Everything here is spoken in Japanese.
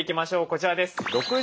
こちらです。